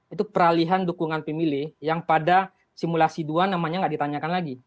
itu peralihan dukungan pemilih yang pada simulasi dua namanya nggak ditanyakan lagi